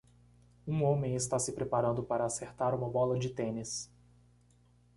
Um homem está se preparando para acertar uma bola de tênis.